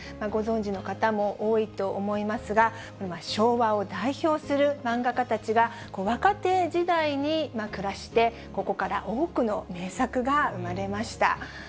ご存じの方も多いと思いますが、昭和を代表する漫画家たちが、若手時代に暮らして、ここから多くの名作が生まれました。